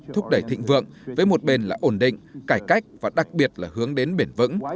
thúc đẩy thịnh vượng với một bên là ổn định cải cách và đặc biệt là hướng đến bền vững